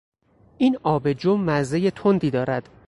این آبجو مزهی تندی دارد.